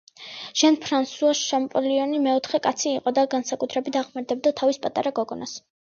ჟან-ფრანსუა შამპოლიონი მეოჯახე კაცი იყო და განსაკუთრების აღმერთებდა თავის პატარა გოგონას.